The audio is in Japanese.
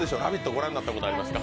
ご覧になったことありますか？